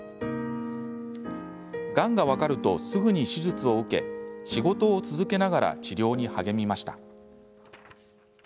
がんが分かるとすぐに手術を受け仕事を続けながら治療に励みました。